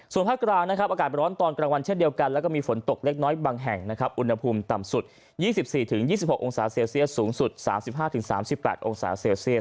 ส่วนภาคกลางนะครับอากาศร้อนตอนกลางวันเช่นเดียวกันแล้วก็มีฝนตกเล็กน้อยบางแห่งนะครับอุณหภูมิต่ำสุด๒๔๒๖องศาเซลเซียสสูงสุด๓๕๓๘องศาเซลเซียส